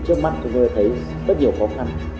trước mắt chúng tôi thấy rất nhiều khó khăn